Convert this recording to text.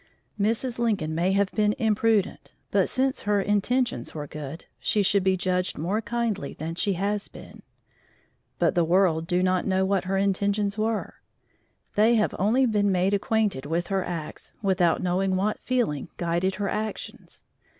Mrs. Lincoln may have been imprudent, but since her intentions were good, she should be judged more kindly than she has been. But the world do not know what her intentions were; they have only been made acquainted with her acts without knowing what feeling guided her actions.